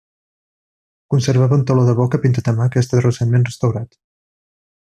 Conservava un teló de boca pintat a mà que ha estat recentment restaurat.